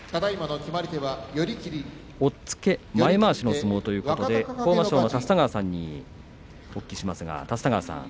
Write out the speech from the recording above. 押っつけ、前まわしの相撲ということで豊真将の立田川さんにお聞きします。